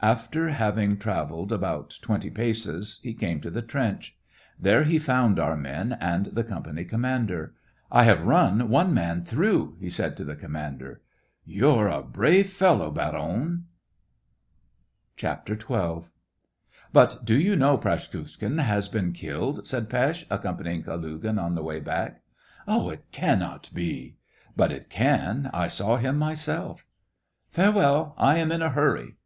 After having trav ersed about twenty paces, he came to the trench. There he found our men and the company com mander. " I have run one man through !" he said to the commander. " You're a brave fellow, Baron.'* SEVASTOPOL IN MAY. 97 XII. But, do you know, Praskukhin has been killed," said Pesth, accompanying Kalugin, on the way back. " It cannot be !"" But it can. I saw him myself.'* " Farewell ; I am in a hurry."